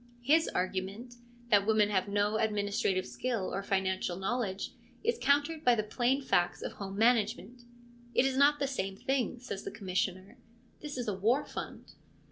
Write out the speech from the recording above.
His argument, that women have no administrative skill or financial knowledge, is countered by the plain facts of home management. ' It is not the same thing/ says the Commissioner ;' this is a war fund.'